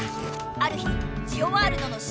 ある日ジオワールドのシンボル